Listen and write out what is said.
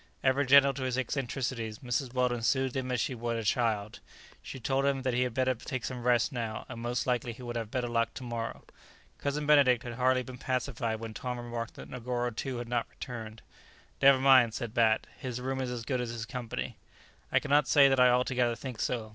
Ever gentle to his eccentricities, Mrs. Weldon soothed him as she would a child, she told him that he had better take some rest now, and most likely he would have better luck to morrow. Cousin Benedict had hardly been pacified when Tom remarked that Negoro too had not returned. "Never mind!" said Bat, "his room is as good as his company." "I cannot say that I altogether think so.